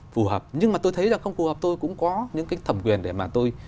phù hợp nhưng mà tôi thấy là không phù hợp tôi cũng có những cái thẩm quyền để mà tôi